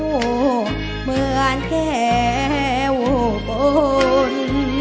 เหมือนแก้วบน